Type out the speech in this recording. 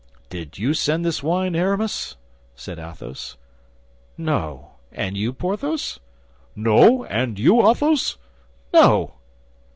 "Did you send this wine, Aramis?" said Athos. "No; and you, Porthos?" "No; and you, Athos?" "No!"